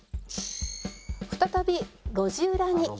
再び路地裏に